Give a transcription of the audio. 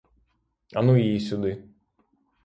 А ну її сюди!